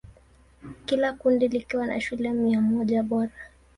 Kila kundi likiwa na shule mia moja bora.